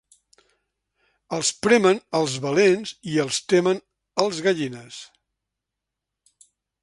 Els premen els valents i els temen els gallines.